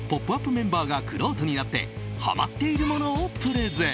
メンバーがくろうとになってハマっているものをプレゼン！